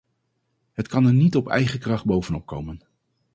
Het kan er niet op eigen kracht bovenop komen.